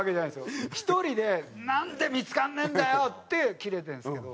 １人で「なんで見付からねえんだよ！」ってキレてるんですけど。